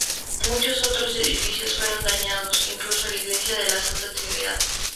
Muchos otros edificios fueron dañados, incluso la Iglesia de La Santa Trinidad.